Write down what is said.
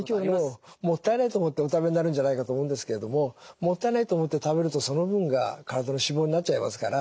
もったいないと思ってお食べになるんじゃないかと思うんですけれどももったいないと思って食べるとその分が体の脂肪になっちゃいますから。